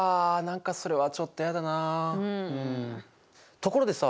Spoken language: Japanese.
ところでさ